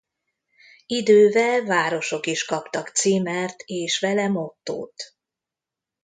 Idővel városok is kaptak címert és vele mottót.